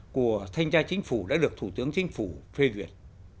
của thanh tra chính phủ đã được thủ tướng chính phủ phê duyệt